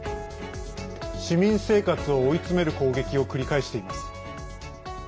市民生活を追い詰める攻撃を繰り返しています。